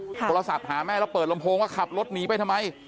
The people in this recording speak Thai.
โทรศัพท์หาแม่แล้วเปิดลำโพงว่าขับรถหนีไปทำไม